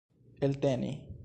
elteni